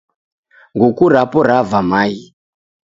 Nguku rapo rava maghi